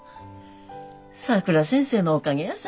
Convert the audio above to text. さくら先生のおかげやさ。